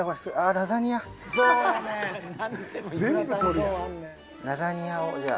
ラザニアをじゃあ。